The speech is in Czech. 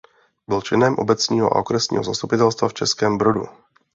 Byl členem obecního a okresního zastupitelstva v Českém Brodu.